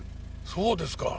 そうですか。